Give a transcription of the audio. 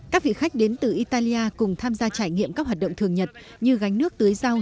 các vị khách đến từ italia cùng tham gia trải nghiệm các hoạt động thường nhật như gánh nước tưới rau